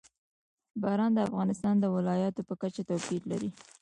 باران د افغانستان د ولایاتو په کچه توپیر لري.